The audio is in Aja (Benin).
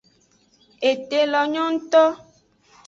Ete lo nyo ngto.